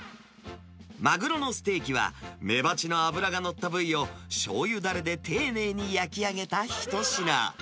マグロのステーキは、メバチの脂が乗った部位を、しょうゆだれで丁寧に焼き上げた一品。